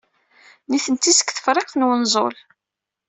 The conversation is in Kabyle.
Nitni seg Tefriqt n Unẓul.